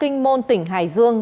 kinh môn tỉnh hải dương